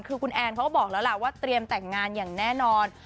คือคุณแอนเขาก็บอกแล้วล่ะว่าเตรียมแต่งงานอย่างแน่นอน